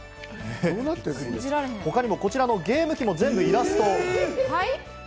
他にもこちらのゲーム機も全部イラスト。